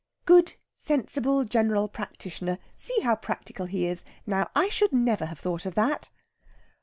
"Good, sensible, general practitioner! See how practical he is! Now, I should never have thought of that!"